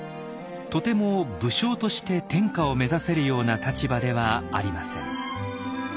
とても武将として天下を目指せるような立場ではありません。